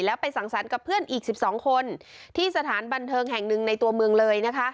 แล้วไปสั่งสรรค์กับเพื่อนอีก๑๒คนที่สถานบันเทิงแห่งหนึ่งในตัวเมืองเลยนะคะ